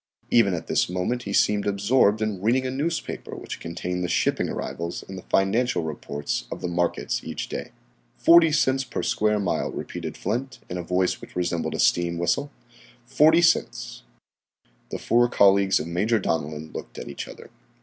Even at this moment he seemed absorbed in reading a newspaper which contained the shipping arrivals and the financial reports of the markets each day. "Forty cents per square mile," repeated Flint, in a voice which resembled a steam whistle, "40 cents." The four colleagues of Major Donellan looked at each other.